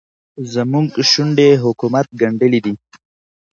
زموږ شونډې حکومت ګنډلې دي.